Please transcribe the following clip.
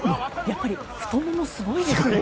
やっぱり太もも、すごいですね。